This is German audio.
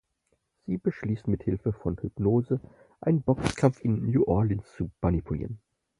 Sie beschließen mit Hilfe von Hypnose, einen Boxkampf in New Orleans zu manipulieren.